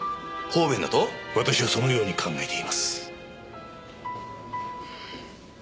私はそのように考えています。